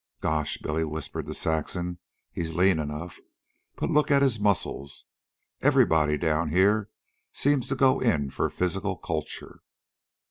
"Gosh!" Billy whispered to Saxon. "He's lean enough, but look at his muscles. Everybody down here seems to go in for physical culture."